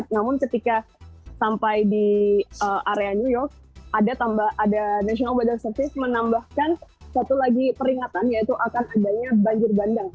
namun ketika sampai di area new york ada national weather service menambahkan satu lagi peringatan yaitu akan adanya banjir bandang